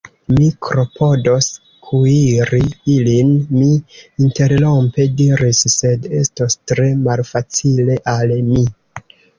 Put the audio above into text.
Mi klopodos kuiri ilin, mi interrompe diris, sed estos tre malfacile al mi.